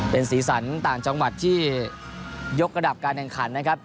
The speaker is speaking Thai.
เป็นสีสันต่างจังหวัดที่ยกระดับการแข่งขันนะครับ